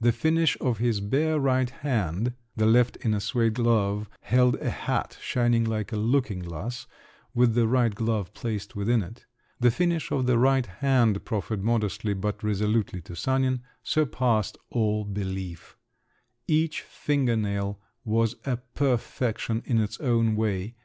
The finish of his bare right hand—(the left, in a suède glove, held a hat shining like a looking glass, with the right glove placed within it)—the finish of the right hand, proffered modestly but resolutely to Sanin, surpassed all belief; each finger nail was a perfection in its own way!